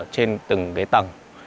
trên từng tầng